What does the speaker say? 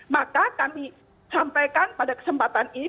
maka kami sampaikan pada kesempatan ini